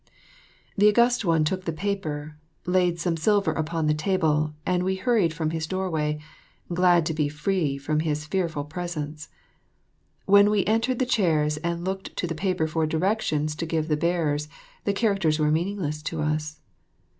The August One took the paper, laid some silver upon the table, and we hurried from his doorway, glad to be free from his fearful presence. When we entered the chairs and looked to the paper for directions to give the bearers, the characters were meaningless to us.